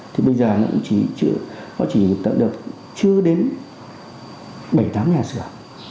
thì bây giờ nó chỉ tạo được chưa đến bảy tám nhà sửa